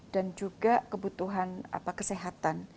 dan juga kebutuhan apa kesehatan